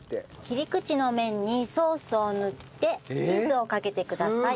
切り口の面にソースを塗ってチーズをかけてください。